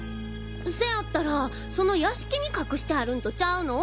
せやったらその屋敷に隠してあるんとちゃうの？